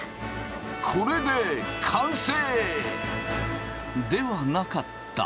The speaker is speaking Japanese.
これで完成！ではなかった。